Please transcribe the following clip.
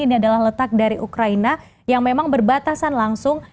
ini adalah letak dari ukraina yang memang berbatasan langsung